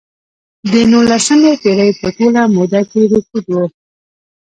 د نولسمې پېړۍ په ټوله موده کې رکود و.